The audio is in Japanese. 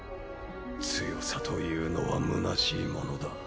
強さというのは虚しいものだ。